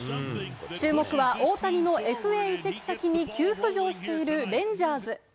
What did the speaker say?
注目は大谷のＦＡ移籍先に急浮上しているレンジャーズ。